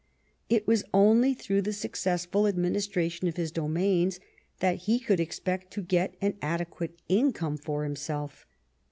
It was only through the successful administration of his domains that he could expect to get an adequate income for himself.